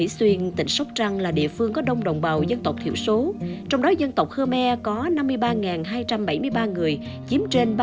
xin chào và hẹn gặp lại